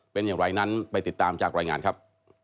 เป็นอย่างไรนั้นไปติดตามจากรายงานครับ